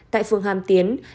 tại phường hàm tiến